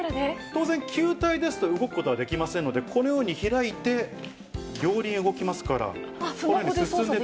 当然、球体ですと動くことはできませんので、このように開いて、両輪動きますから、このように進んで。